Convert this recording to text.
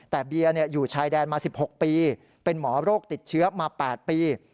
แต่เบียร์อยู่ชายแดนมา๑๖ปีเป็นหมอโรคติดเชื้อมา๘ปี